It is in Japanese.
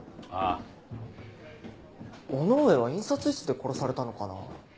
尾ノ上は印刷室で殺されたのかな？